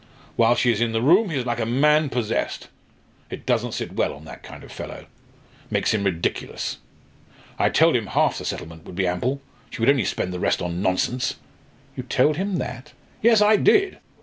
While she is in the room, he is like a man possessed. It doesn't sit well on that kind of fellow. It makes him ridiculous. I told him half the settlement would be ample. She would only spend the rest on nonsense." "You told him that?" "Yes, I did.